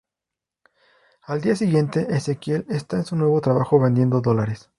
Al día siguiente, Exequiel está en su nuevo trabajo vendiendo dólares.